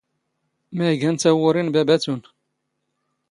ⵎⴰ ⴰⴷ ⵉⴳⴰⵏ ⵜⴰⵡⵓⵔⵉ ⵏ ⴱⴰⴱⴰⵜⵓⵏⵜ?